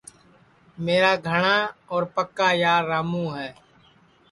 میرا گھٹا اور پکا یارراموں ہے